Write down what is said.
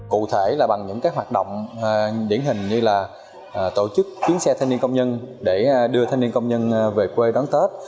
cụ thể là bằng những hoạt động điển hình như là tổ chức chuyến xe thanh niên công nhân để đưa thanh niên công nhân về quê đón tết